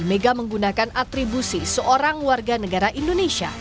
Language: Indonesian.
mega menggunakan atribusi seorang warga negara indonesia